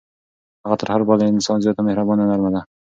هغه تر هر بل انسان زیاته مهربانه او نرمه ده.